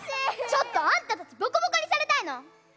・ちょっとあんたたちボコボコにされたいの？